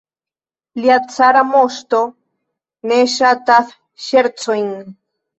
Lia cara moŝto ne ŝatas ŝercojn.